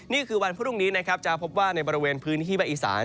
นี่คือวันพรุ่งนี้นะครับจะพบว่าในบริเวณพื้นที่ภาคอีสาน